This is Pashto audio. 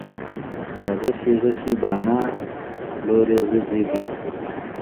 دا غشي غشي باڼه، لورې وروځې دي